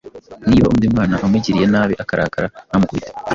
niba undi mwana amugiriye nabi akarakara ntamukubite